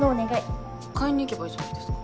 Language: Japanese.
買いに行けばいいじゃないですか。